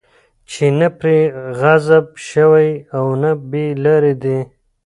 چې نه پرې غضب شوی، او نه بې لاري دي